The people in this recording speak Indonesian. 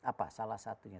apa salah satunya